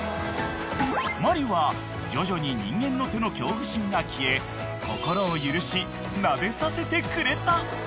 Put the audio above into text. ［マリは徐々に人間の手の恐怖心が消え心を許しなでさせてくれた］